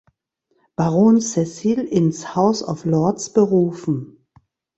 Baron Cecil ins House of Lords berufen.